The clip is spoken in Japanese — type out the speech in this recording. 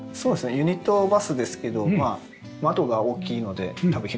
ユニットバスですけど窓が大きいので多分広く見える。